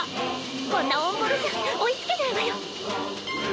こんなオンボロじゃ追いつけないわよ。